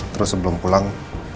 terus sebelum pulang